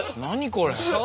これ。